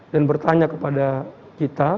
dan bertanya kepada kita